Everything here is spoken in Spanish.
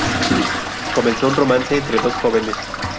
Comenzó un romance entre dos jóvenes.